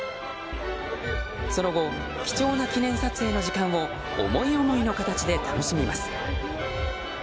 その後、貴重な記念撮影の時間を思い思いの形で楽しみます。